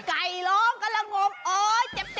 ไก่ร้องกำลังงมโอ๊ยเจ็บ